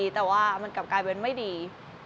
แต่ว่ามันกลับกลายเป็นไม่ดี